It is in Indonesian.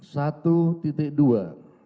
satu titik dua